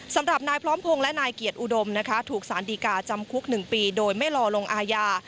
สำหรับนายพร้อมพงศ์และนายเกียรติอุดมนะคะถูกสารดีกาจำคุก๑ปีโดยไม่รอลงอาญา